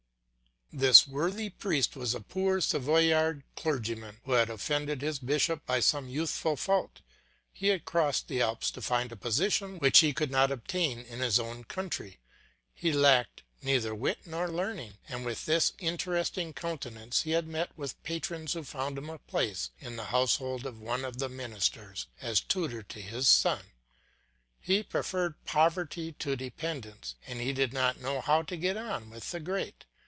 This worthy priest was a poor Savoyard clergyman who had offended his bishop by some youthful fault; he had crossed the Alps to find a position which he could not obtain in his own country. He lacked neither wit nor learning, and with his interesting countenance he had met with patrons who found him a place in the household of one of the ministers, as tutor to his son. He preferred poverty to dependence, and he did not know how to get on with the great.